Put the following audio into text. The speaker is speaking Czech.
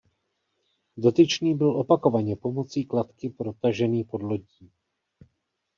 Dotyčný byl opakovaně pomocí kladky protažený pod lodí.